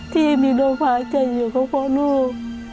ที่มีโรงพยาบาลใจอยู่กับพ่อลูก